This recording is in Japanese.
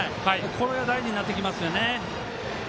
これが大事になってきますよね。